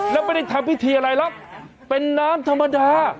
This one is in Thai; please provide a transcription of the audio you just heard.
แล้วไม่ได้ทำพิธีอะไรหรอกเป็นน้ำธรรมดา